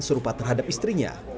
serupa terhadap istrinya